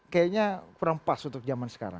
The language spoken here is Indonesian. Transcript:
kayaknya perempas untuk zaman sekarang